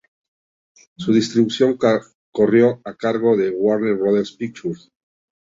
Su distribución corrió a cargo de Warner Brothers Pictures.